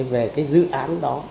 về cái dự án đó